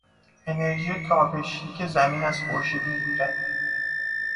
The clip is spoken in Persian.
انرژی تابشی که زمین از خورشید میگیرد